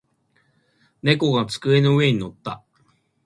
猫が机の上に乗った。